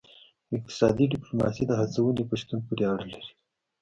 اقتصادي ډیپلوماسي د هڅونې په شتون پورې اړه لري